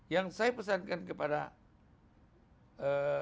yang saya pesankan kepada